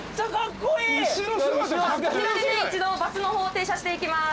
こちらでね一度バスの方停車していきます。